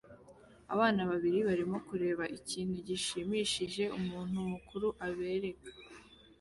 Abana babiri barimo kureba ikintu gishimishije umuntu mukuru abereka